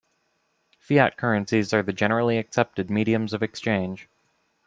Fiat currencies are the generally accepted mediums of exchange.